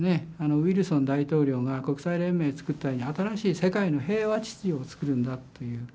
ウィルソン大統領が国際連盟作ったように新しい世界の平和秩序を作るんだという。